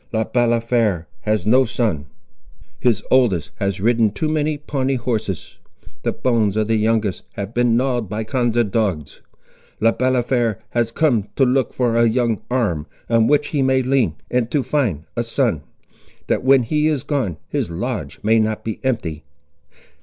Le Balafré has no son. His oldest has ridden too many Pawnee horses; the bones of the youngest have been gnawed by Konza dogs! Le Balafré has come to look for a young arm, on which he may lean, and to find a son, that when he is gone his lodge may not be empty.